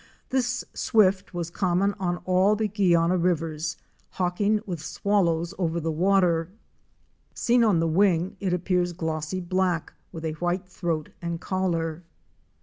This Swift was common on all the Guiana rivers, hawk ing with Swallows over the water. Seen on the wing it appears glossy black with a white throat and collar.